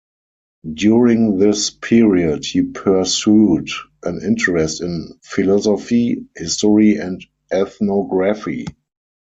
During this period, he pursued an interest in philosophy, history and ethnography.